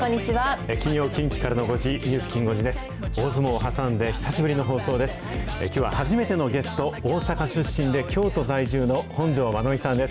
金曜、近畿からの５時、ニュースきん５時です。